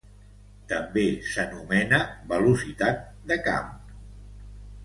També s'anomena velocitat de camp.